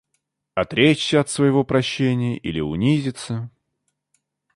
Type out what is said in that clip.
Отречься от своего прощения или унизиться?